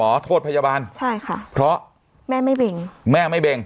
ขอโทษพยาบาลใช่ค่ะเพราะแม่ไม่เบ่งแม่ไม่เบ่ง